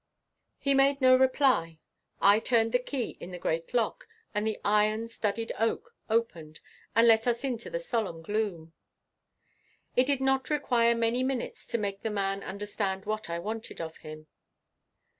He made no reply. I turned the key in the great lock, and the iron studded oak opened and let us into the solemn gloom. It did not require many minutes to make the man understand what I wanted of him.